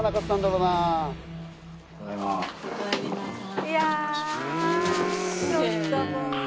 おかえりなさい。